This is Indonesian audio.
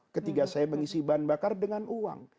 ketika saya mengisi bahan bakar dengan uang